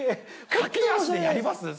駆け足でやります？